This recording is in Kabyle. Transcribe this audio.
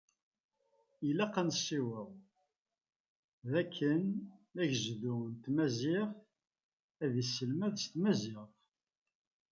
Ilaq ad nesiweḍ dakken agezdu n tmaziɣt, ad yesselmad s tmaziɣt.